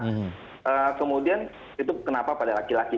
nah kemudian itu kenapa pada laki laki